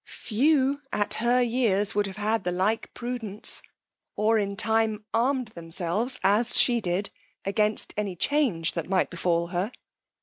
Few at her years would have had the like prudence, or in time armed themselves, as she did, against any change that might befal her.